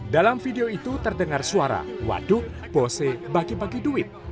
dalam video itu terdengar suara waduk bose bagi bagi duit